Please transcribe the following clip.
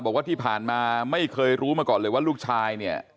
บอกว่าที่ผ่านมาไม่เคยรู้มาก่อนเลยว่าลูกชายเนี่ย